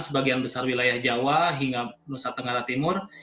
sebagian besar wilayah jawa hingga nusa tenggara timur